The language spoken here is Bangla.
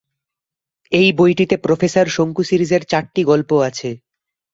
এই বইটিতে প্রোফেসর শঙ্কু সিরিজের চারটি গল্প আছে।